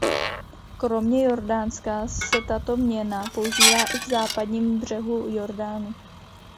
Kromě Jordánska se tato měna používá i v Západním břehu Jordánu.